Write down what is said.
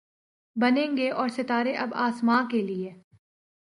بنیں گے اور ستارے اب آسماں کے لیے